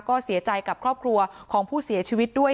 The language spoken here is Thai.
ก็เสียใจกับครอบครัวของผู้เสียชีวิตด้วย